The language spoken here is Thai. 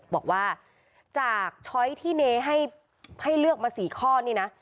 บอกว่าจากช้อยที่เนให้เลือกมา๔ข้อนี่นะ